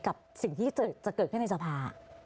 กับสิ่งที่จะเกิดขึ้นในสภา